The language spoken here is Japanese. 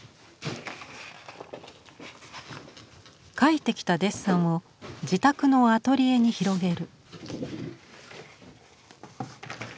描いてきたデッサンを自宅のアトリエに広げる。